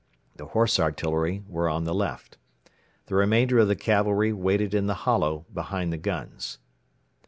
The Horse Artillery were on the left. The remainder of the cavalry waited in the hollow behind the guns.